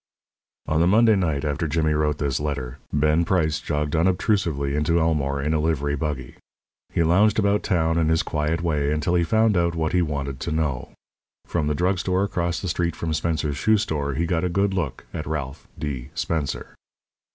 On the Monday night after Jimmy wrote this letter, Ben Price jogged unobtrusively into Elmore in a livery buggy. He lounged about town in his quiet way until he found out what he wanted to know. From the drug store across the street from Spencer's shoe store he got a good look at Ralph D. Spencer.